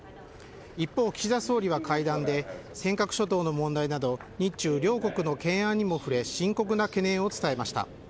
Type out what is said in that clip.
一方、岸田総理は会談で尖閣諸島の問題など日中両国の懸案にも触れ深刻な懸念を伝えました。